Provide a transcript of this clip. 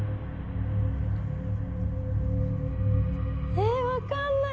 えぇ分かんない。